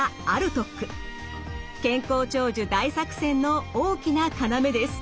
健康長寿大作戦の大きな要です。